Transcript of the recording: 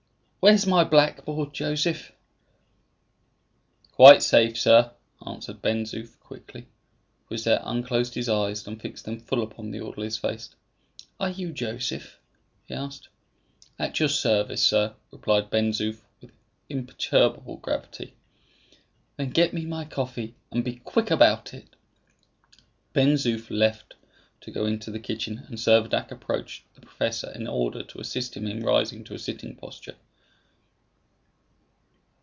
"Where's my blackboard, Joseph?" "Quite safe, sir," answered Ben Zoof, quickly. Rosette unclosed his eyes and fixed them full upon the orderly's face. "Are you Joseph?" he asked. "At your service, sir," replied Ben Zoof with imperturbable gravity. "Then get me my coffee, and be quick about it." Ben Zoof left to go into the kitchen, and Servadac approached the professor in order to assist him in rising to a sitting posture.